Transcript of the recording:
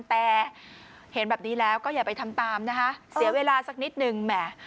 แต่เห็นแบบนี้แล้วก็อย่าไปทำตามนะคะเสียเวลาสักนิดนึงแหม